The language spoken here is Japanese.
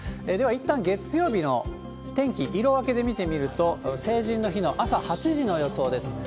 ではいったん月曜日の天気、色分けで見てみると、成人の日の朝８時の予想です。